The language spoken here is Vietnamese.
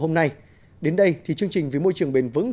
chống biến đổi khí hậu trên nhiều địa phương của nước ta